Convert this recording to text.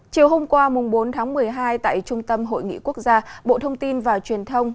chiều hôm qua bốn tháng một mươi hai tại trung tâm hội nghị quốc gia bộ thông tin và truyền thông